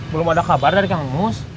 belum ada kabar dari kang mus